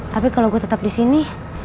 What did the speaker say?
tapi kalo gue tetap disini